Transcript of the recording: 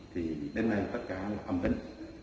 thì đến nay tất cả ấm đỉnh